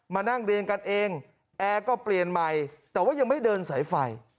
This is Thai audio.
มานั่งเรียงกันเองแอร์ก็เปลี่ยนใหม่แต่ว่ายังไม่เดินสายไฟ